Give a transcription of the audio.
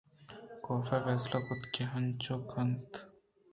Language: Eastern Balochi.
کافءَ فیصلہ کُت کہ آانچو کنت